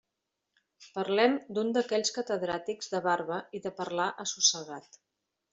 Parlem d'un d'aquells catedràtics de barba i de parlar assossegat.